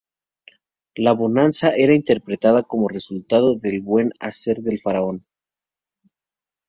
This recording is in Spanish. La bonanza era interpretada como resultado del buen hacer del faraón.